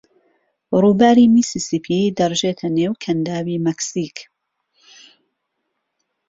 ڕووباری میسیسیپی دەڕژێتە نێو کەنداوی مەکسیک.